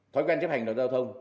thói quen chấp hành luật giao thông